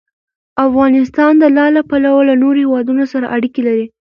افغانستان د لعل له پلوه له نورو هېوادونو سره اړیکې لري.